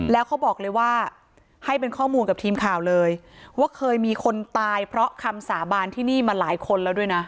แล้วเขาบอกเลยว่าให้เป็นข้อมูลกับทีมข่าวเลยว่าเคยมีคนตายเพราะคำสาบานที่นี่มาหลายคนแล้วด้วยนะ